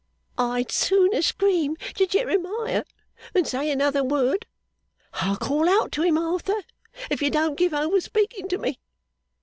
'I'd sooner scream to Jeremiah than say another word! I'll call out to him, Arthur, if you don't give over speaking to me.